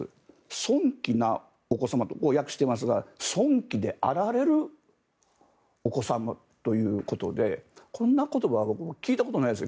尊貴なお子様と訳していますが尊貴であられるお子様ということでこんな言葉僕、聞いたことないですよ。